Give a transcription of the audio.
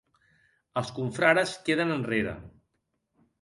Els confrares queden enrere.